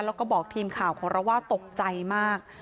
แล้วก็บอกทีมข่าวของเราว่าตกใจมาก